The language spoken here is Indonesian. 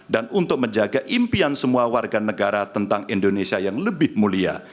dan untuk menjaga impian semua warga negara tentang indonesia yang lebih mulia